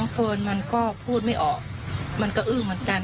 น้องเพลินมันก็พูดไม่ออกมันก็อื้มเหมือนกัน